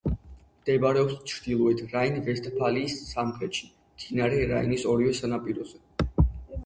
მდებარეობს ჩრდილოეთ რაინ-ვესტფალიის სამხრეთში, მდინარე რაინის ორივე სანაპიროზე.